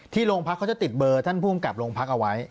โรงพักเขาจะติดเบอร์ท่านผู้กำกับโรงพักเอาไว้